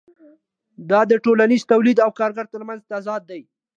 دا د ټولنیز تولید او کارګر ترمنځ تضاد دی